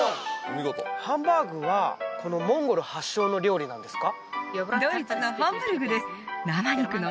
ハンバーグはモンゴル発祥の料理なんですか？